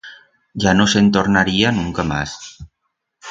Ya no se'n tornaría nunca mas.